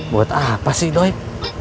buat apa sih doip